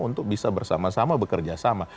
untuk bisa bersama sama bekerja sama